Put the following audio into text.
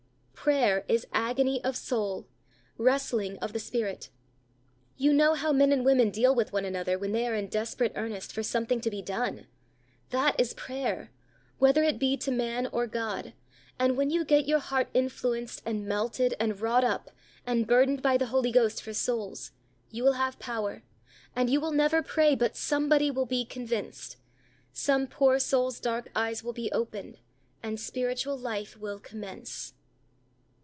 Prayer is agony of soul wrestling of the Spirit. You know how men and women deal with one another when they are in desperate earnestness for something to be done. That is prayer, whether it be to man or God; and when you get your heart influenced, and melted, and wrought up, and burdened by the Holy Ghost for souls, you will have power, and you will never pray but somebody will be convinced, some poor soul's dark eyes will be opened, and spiritual life will commence.